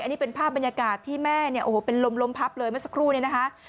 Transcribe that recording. อันนี้เป็นภาพบรรยากาศที่แม่เนี่ยโอ้โหเป็นลมพับเลยเมื่อสักครู่เนี่ยนะคะ